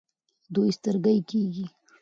دوی سترګۍ کیږي.